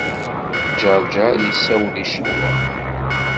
Ǧeṛǧeṛ yessawel i Ccenwa.